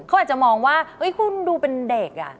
เขาอาจจะมองว่าคุณดูเป็นเด็ก